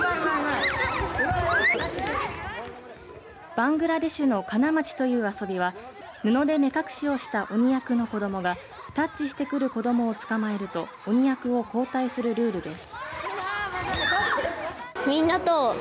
バングラデシュのカナマチという遊びは布ので目隠しをした鬼役の子どもがタッチしてくる子どもを捕まえると鬼役を交代するルールです。